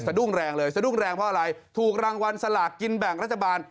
ดุ้งแรงเลยสะดุ้งแรงเพราะอะไรถูกรางวัลสลากกินแบ่งรัฐบาล